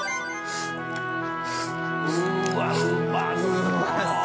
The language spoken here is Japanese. うわうまそう。